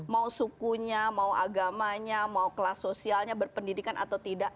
mau sukunya mau agamanya mau kelas sosialnya berpendidikan atau tidak